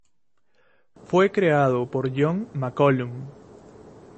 Fue creado por John McCallum.